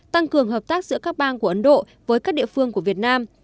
tăng cường hợp tác giữa các bang của ấn độ với các địa phương của việt nam